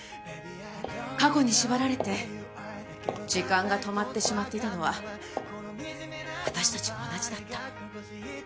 過去に縛られて時間が止まってしまっていたのは私たちも同じだった。